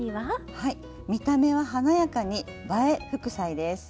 見た目は華やかに「“映え”副菜」です。